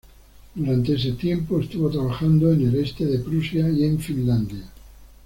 Durante este tiempo estuvo trabajando en el este de Prusia y en Finlandia.